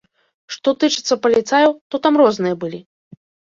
Што тычыцца паліцаяў, то там розныя былі.